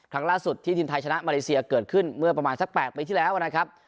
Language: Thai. ครั้งล่าสุดที่ทีมไทยชนะมาเลเซียเกิดขึ้นเมื่อประมาณสัก๘ปีที่แล้วนะครับ